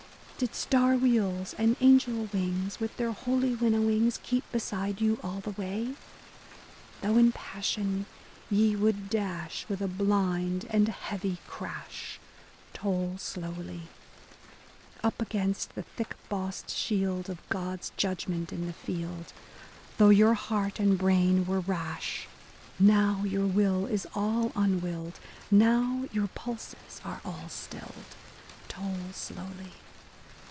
Did star wheels and angel wings, with their holy winnowings, Keep beside you all the way ? Though in passion ye would dash, with a blind and heavy crash. Toll slowly. Up against the thick bossed shield of God's judgement in the field, — Though your heart and brain were rash, — A DAY WITH E. B. BROWNING Now, your will is all unwilled — now, your pulses are all stilled! Toll slowly.